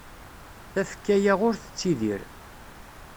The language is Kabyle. Tafekka-a ur teddir.